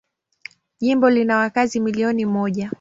Jimbo lina wakazi milioni moja.